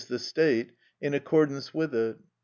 _, the state, in accordance with it.